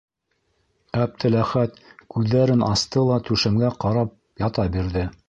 - Әптеләхәт күҙҙәрен асты ла түшәмгә ҡарап ята бирҙе.